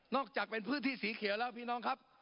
จากเป็นพื้นที่สีเขียวแล้วพี่น้องครับ